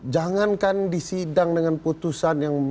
jangankan disidang dengan putusan yang